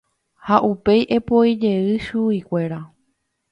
Ha upéi epoijey chuguikuéra.